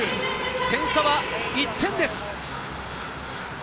点差は１点です！